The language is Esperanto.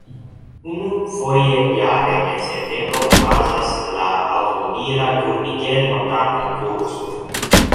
Unu foje jare en septembro okazas la aŭtomobila Gurnigel-Montarkonkurso.